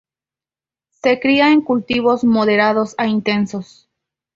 Se cría en cultivos moderados a intensos.